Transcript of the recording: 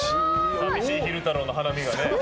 寂しい昼太郎の花見がね。